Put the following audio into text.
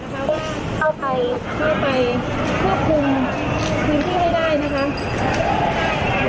สวัสดีครับ